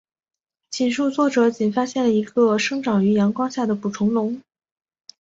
描述作者仅发现了一个生长于阳光下的捕虫笼。